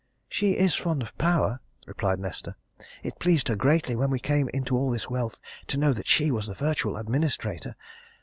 "She is fond of power!" replied Nesta. "It pleased her greatly when we came into all this wealth to know that she was the virtual administrator.